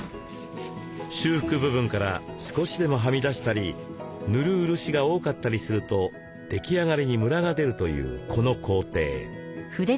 修復部分から少しでもはみ出したり塗る漆が多かったりすると出来上がりにムラが出るというこの工程。